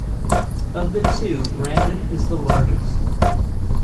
Of the two, Brandon is the largest.